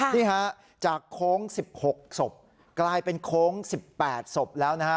นี่ฮะจากโค้ง๑๖ศพกลายเป็นโค้ง๑๘ศพแล้วนะฮะ